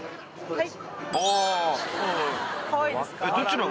はい。